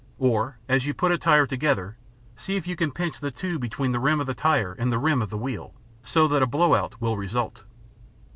Or, as you put a tire together, see if you can pinch the tube between the rim of the tire and the rim of the wheel, so that a blow out will result.